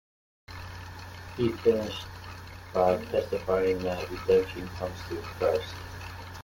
He finished by testifying that redemption comes through Christ.